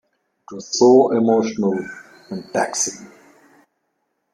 It was so emotional and taxing.